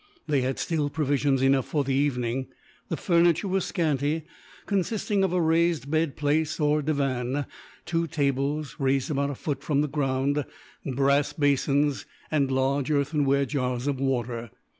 They had still provisions enough for the evening. The furniture was scanty, consisting of a raised bed place, or divan; two tables, raised about a foot from the ground; brass basins, and large earthenware jars of water.